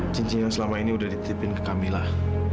cincin yang selama ini udah ditipin ke kamilah